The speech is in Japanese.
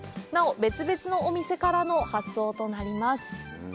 別々のお店からの発送になります。